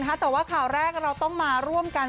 แต่ว่าข่าวแรกเราต้องมาร่วมกัน